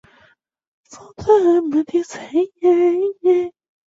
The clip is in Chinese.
一期成员小川纱季因为学业进修而毕业。